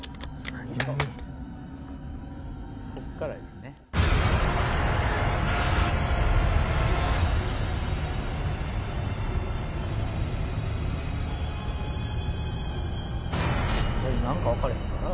最初何か分からへんから。